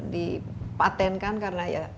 dipatenkan karena ya